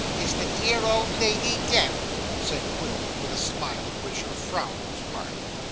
Is the dear old lady deaf?' said Quilp, with a smile of which a frown was part.